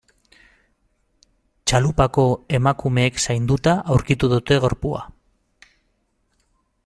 Txalupako emakumeek zainduta aurkitu dute gorpua.